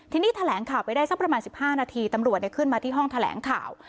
ทีนี้แถลงข่าวไปได้สักประมาณ๑๕นาทีตำรวจขึ้นมาที่ห้องแถลงข่าว